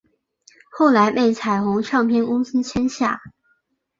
后来被彩虹唱片公司签下。